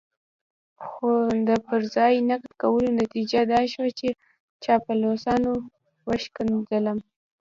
خو د پر ځای نقد کولو نتيجه دا شوه چې چاپلوسانو وشکنځلم.